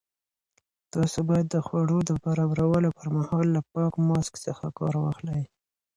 تاسو باید د خوړو د برابرولو پر مهال له پاک ماسک څخه کار واخلئ.